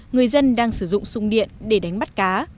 người dân đang sử dụng sung điện để đánh bắt cá